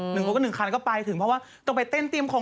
คนก็หนึ่งคันก็ไปถึงเพราะว่าต้องไปเต้นเตรียมของ